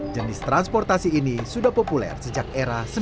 jenis transportasi ini sudah populer sejak era sembilan puluh an